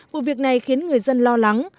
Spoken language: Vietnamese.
vụ việc này khiến người dân lo lắng